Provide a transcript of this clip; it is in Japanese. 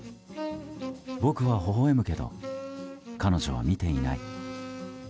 僕はほほ笑むけど彼女は見ていない。